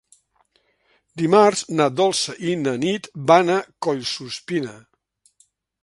Dimarts na Dolça i na Nit van a Collsuspina.